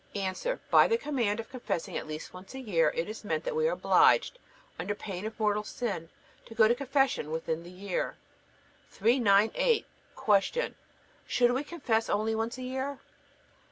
A. By the command of confessing at least once a year is meant that we are obliged, under pain of mortal sin, to go to confession within the year. 398. Q. Should we confess only once a year?